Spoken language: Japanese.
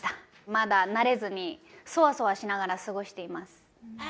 まだ慣れずに、そわそわしながら過ごしています。